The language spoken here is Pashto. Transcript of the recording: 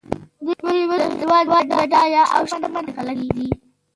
دوی اوس د هېواد بډایه او شتمن خلک دي